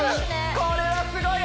これはすごいよ！